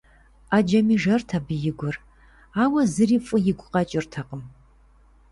Ӏэджэми жэрт абы и гур, ауэ зыри фӏы игу къэкӏыртэкъым.